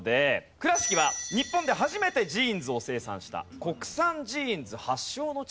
倉敷は日本で初めてジーンズを生産した国産ジーンズ発祥の地ともいわれています。